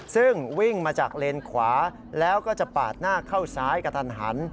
ซึ่งวิ่งมาจากเลนขวาแล้วก็จะปาดหน้าเข้าซ้ายกระทันหัน